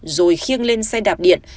rồi khiêng lên xe đạp điện